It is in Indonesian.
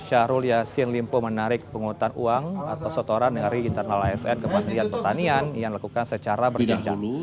syahrul yassin limpo menarik penghutang uang atau setoran dari internal asn kementerian pertanian yang dilakukan secara berjam jam